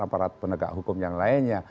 aparat penegak hukum yang lainnya